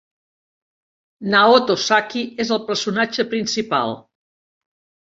Naoto Saki és el personatge principal.